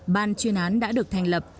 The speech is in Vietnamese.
ban chuyên án đã được thành lập